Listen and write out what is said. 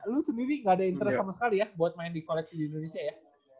lu sendiri gak ada interest sama sekali ya buat main di koleksi di indonesia ya